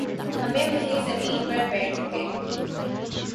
ہم وہیں زمین پر بیٹھ گ